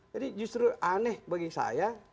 jadi justru aneh bagi saya